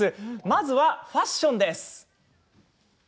まずはファッションです。